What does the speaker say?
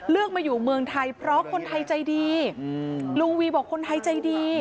มาอยู่เมืองไทยเพราะคนไทยใจดีลุงวีบอกคนไทยใจดี